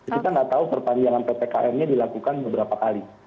kita nggak tahu perpanjangan ppkm nya dilakukan beberapa kali